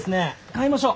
買いましょう！